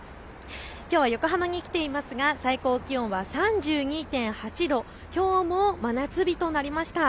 きょうは横浜に来ていますが最高気温は３２．８度、きょうも真夏日となりました。